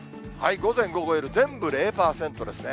午前、午後、夜も全部０％ですね。